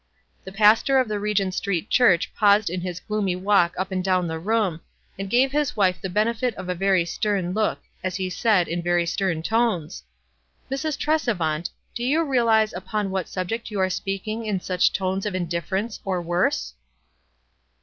The pastor of the Regent Street Church paused in his gloomy walk up and down the room, and gave his wife the benefit of a very stern look, as he said, in very stern tones, — "Mrs. Tresevant, do you realize upon what subject you are speaking in such tones of indif ference, or worse?"